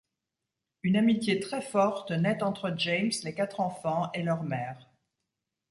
Une amitié très forte naît entre James, les quatre enfants et leur mère.